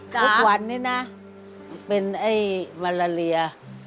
ทุกวันนี้นะเป็นไอ้วาลาเลีย